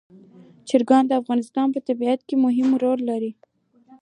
چرګان د افغانستان په طبیعت کې مهم رول لري.